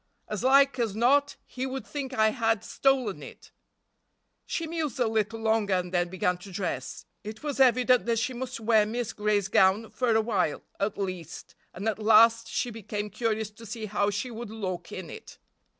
As like as not he would think I had stolen it." She mused a little longer and then began to dress. It was evident that she must wear Miss Gray's gown for awhile, at least, and at last she became curious to see how she would look in it.